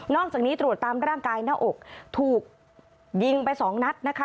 จากนี้ตรวจตามร่างกายหน้าอกถูกยิงไปสองนัดนะคะ